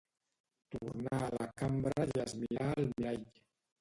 Tornà a la cambra i es mirà al mirall.